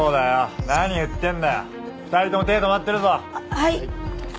はい。